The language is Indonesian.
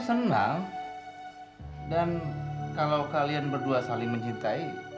sampai jumpa di video selanjutnya